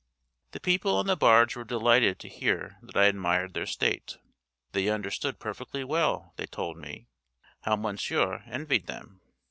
The people on the barge were delighted to hear that I admired their state. They understood perfectly well, they told me, how Monsieur envied them.